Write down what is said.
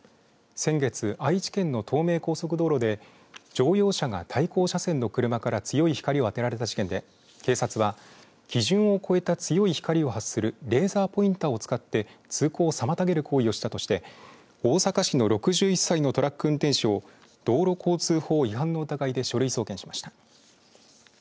先月、愛知県の東名高速道路で乗用車が対向車線の車から強い光を当てられた事件で警察は、基準を超えた強い光を発するレーザーポインターを使って通行を妨げる行為をしたとして大阪市の６１歳のトラック運転手を道路交通法違反の疑いで書類送検しました。